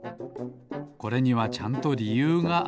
これにはちゃんとりゆうがあるのです。